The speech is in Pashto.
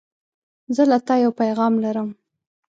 زه له تا یو پیغام لرم.